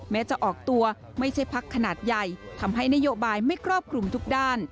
แม้จะออกตัวไม่ใช่พักขนาดใหญ่ทำให้นโยบายไม่ครอบคลุมทุกด้าน